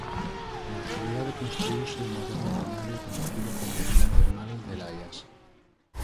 Na actualidade construíuse un moderno balneario coñecido como Vila Termal de Laias.